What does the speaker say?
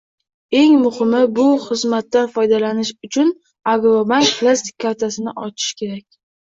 Eng muhimi, bu xizmatdan foydalanish uchun "Agrobank" plastik kartasini ochish kerak